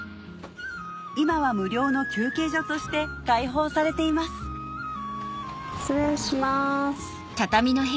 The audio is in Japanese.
今は無料の休憩所として開放されています失礼します。